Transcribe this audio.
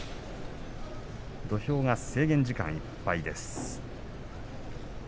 土俵が制限時間いっぱいです。